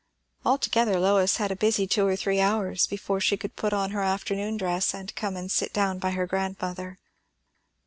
Altogether Lois had a busy two or three hours, before she could put on her afternoon dress and come and sit down by her grandmother.